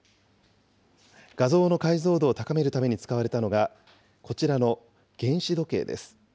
画像の解像度を高めるために使われたのが、こちらの原子時計です。